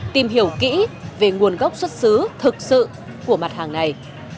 tìm hiểu kỹ về nguồn gốc xuất xứ thực sự của mặt hàng này